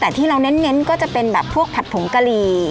แต่ที่เราเน้นก็จะเป็นแบบพวกผัดผงกะหรี่